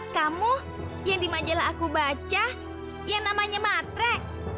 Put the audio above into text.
kamu yang di majalah aku baca yang namanya matre